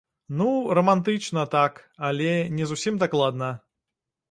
Ну, рамантычна, так, але не зусім дакладна.